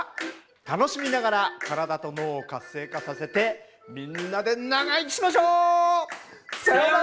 楽しみながら体と脳を活性化させてみんなで長生きしましょう！さよなら！